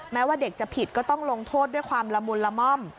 แม้ว่าเด็กจะผิดก็ต้องลงโทษด้วยความละมุนละม่อม